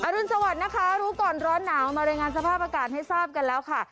รุนสวัสดิ์นะคะรู้ก่อนร้อนหนาวมารายงานสภาพอากาศให้ทราบกันแล้วค่ะ